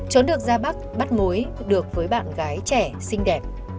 trốn được ra bắc bắt mối được với bạn gái trẻ xinh đẹp